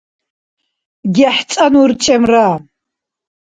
гехӀцӀанну урчӀемра